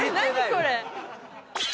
これ。